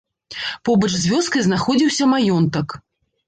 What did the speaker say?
Побач з вёскай знаходзіўся маёнтак.